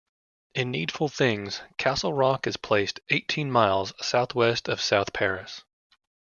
In Needful Things, Castle Rock is placed eighteen miles southwest of South Paris.